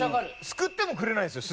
救ってもくれないんですよ